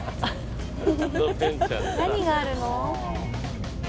何があるの？